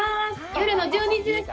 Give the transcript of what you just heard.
夜の１２時ですよ。